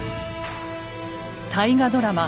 大河ドラマ